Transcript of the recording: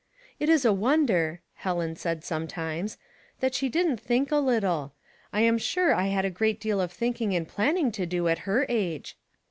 "It was a wonder," Helen said some imes 'that she didn't think a little. I'm sure I had a great deal of thinking and planning to do at her age."